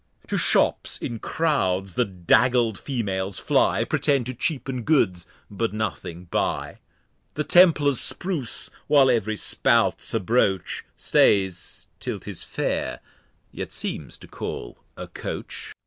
To Shops in Crouds the dagled Females fly, Pretend to cheapen Goods, but nothing buy. The Templer spruce, while ev'ry Spout's a broach, Stays till 'tis fair, yet seems to call a Coach.